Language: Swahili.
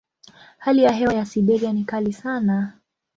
Hali ya hewa ya Siberia ni kali sana.